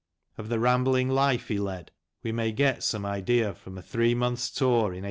Of the rambling life he led we may get some idea from a three months' tour in 1802.